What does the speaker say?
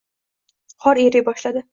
Qor eriy boshladi